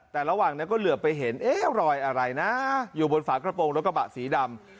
แต่ระหว่างนั้นก็เหลือไปเห็นเอ๊ะรอยอะไรนะอยู่บนฝากระโปรงรถกระบะสีดำ